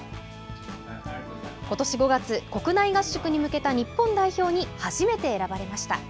ことし５月、国内合宿に向けた日本代表に初めて選ばれました。